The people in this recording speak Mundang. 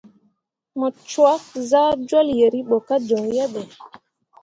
Mu cwak saa jol yeribo ka joŋ yehe.